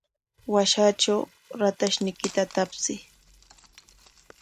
Washatraw ratayniykita tapsiy.